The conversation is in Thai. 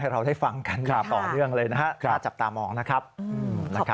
ให้เราได้ฟังกันนึงค่ะจับตามออกนะครับนะครับขอต่อเรื่องเลยนะครับ